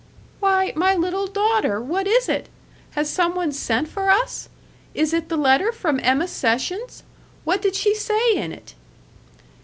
"Why, my little daughter, what is it? Has some one sent for us? Is it the letter from Emma Sessions? What did she say in it?"